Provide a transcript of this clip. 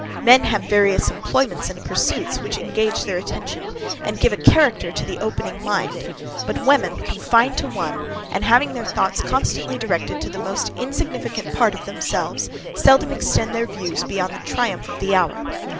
Men have various employments and pursuits which engage their attention, and give a character to the opening mind; but women, confined to one, and having their thoughts constantly directed to the most insignificant part of themselves, seldom extend their views beyond the triumph of the hour.